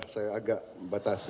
saya agak membatasi